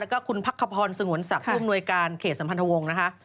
แล้วก็คุณพักขพรสงวนศักดิ์ผู้อำนวยการเขตสัมพันธวงศ์นะคะ